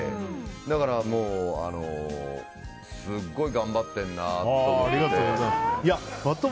だからすごい頑張ってるなと思って。